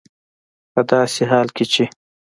په داسې حال کې چې